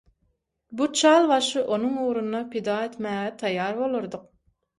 bu çal başy onuň ugrunda pida etmäge taýýar bolardyk.